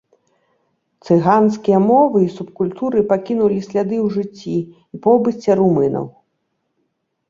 Цыганскія мовы і субкультуры пакінулі сляды ў жыцці і побыце румынаў.